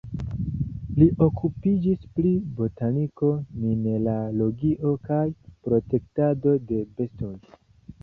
Li okupiĝis pri botaniko, mineralogio kaj protektado de bestoj.